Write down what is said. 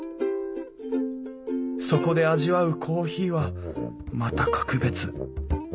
そこで味わうコーヒーはまた格別。